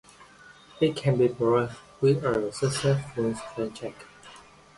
It can be burst with a successful Strength check.